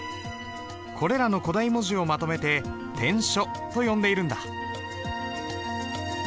これらの古代文字をまとめて篆書と呼んでいるんだ。